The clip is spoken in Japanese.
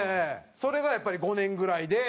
それがやっぱり５年ぐらいで。